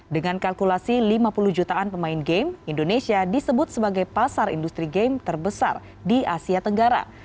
dengan kalkulasi lima puluh jutaan pemain game indonesia disebut sebagai pasar industri game terbesar di asia tenggara